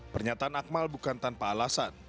pernyataan akmal bukan tanpa alasan